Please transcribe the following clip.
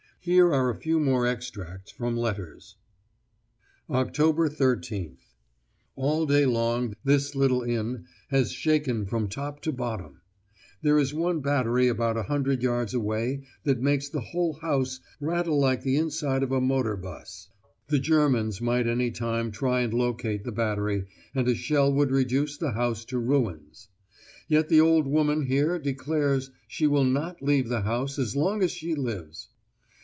Here are a few more extracts from letters: "Oct. 13th. All day long this little inn has shaken from top to bottom: there is one battery about a hundred yards away that makes the whole house rattle like the inside of a motor bus. The Germans might any time try and locate the battery, and a shell would reduce the house to ruins. Yet the old woman here declares she will not leave the house as long as she lives!